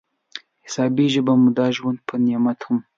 حسابېږي به مو دا ژوند په نعمت هم